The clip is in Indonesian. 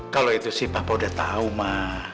kalo itu sih papa udah tahu ma